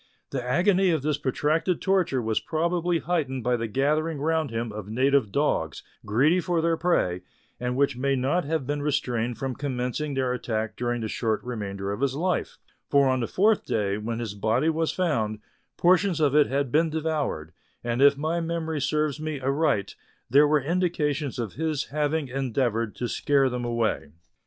The agony of this protracted torture was probably heightened by the gathering round him of native dogs, greedy for their prey, and which may not have been restrained from commencing their attack during the short remainder of his life ; for on the fourth day, when his body was found, portions of it had been devoured, And if my memory serves me aright there were indications of his having endeavoured to scare them away.